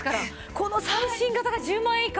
この最新型が１０万円以下！